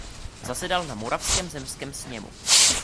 Zasedal na Moravském zemském sněmu.